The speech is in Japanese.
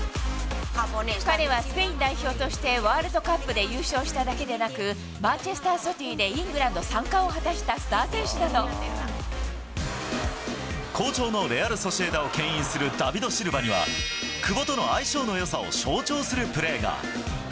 彼はスペイン代表としてワールドカップで優勝しただけでなく、マンチェスター・シティでイングランド３冠を果たしたスター選手好調のレアル・ソシエダをけん引するダビド・シルバには、久保との相性のよさを象徴するプレーが。